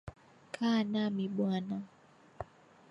Kaa nami bwana